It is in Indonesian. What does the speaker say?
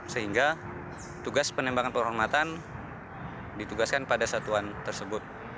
sehingga tugas penembakan penghormatan ditugaskan pada satuan tersebut